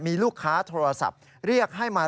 มีลูกค้าโทรศัพท์เรียกให้มา